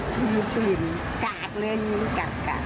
มีปืนกากเลยยิ่งกาก